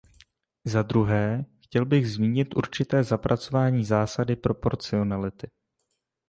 Za druhé, chtěl bych zmínit určité zapracování zásady proporcionality.